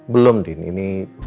belum din ini